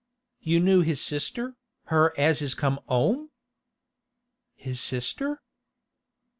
'You knew his sister—her as is come 'ome?' 'His sister?